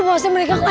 kamu kejar kesana